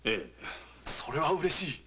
それはうれしい！